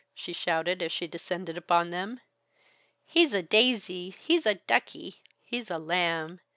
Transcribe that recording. she shouted as she descended upon them. "He's a daisy; he's a ducky; he's a lamb.